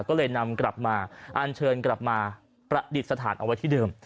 ก็เลยนำกลับมาอันเชิญกลับมาประดิษฐานเอาไว้ที่เดิม